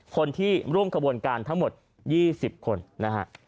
คนที่ร่วมขบวนการทั้งหมด๒๐คนนะฮะ